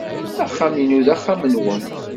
Axxam-inu d axxam-nwen.